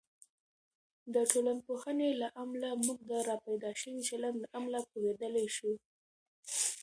د ټولنپوهنې له امله، موږ د راپیدا شوي چلند له امله پوهیدلی شو.